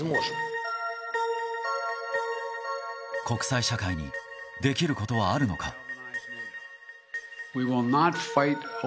国際社会にできることはあるのか。